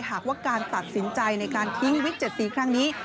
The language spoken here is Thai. หากว่าการตัดสินใจในการทิ้งวิก๗สีครั้งนี้